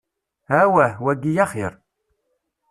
Awah, wayi axir.